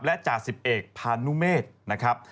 และจ่าสิบเอกพานุเมฆนะครับ